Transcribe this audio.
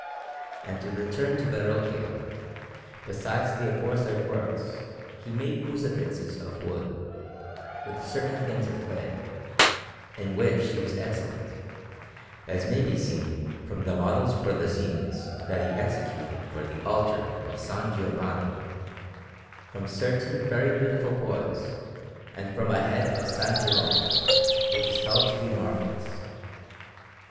And to return to Verrocchio; besides the aforesaid works, he made Crucifixes of wood, with certain things of clay, in which he was excellent, as may be seen from the models for the scenes that he executed for the altar of S. Giovanni, from certain very beautiful boys, and from a head of S. Jerome, which is held to be marvellous.